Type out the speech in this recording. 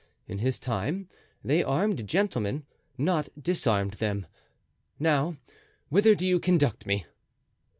In his time they armed gentlemen, not disarmed them. Now, whither do you conduct me?"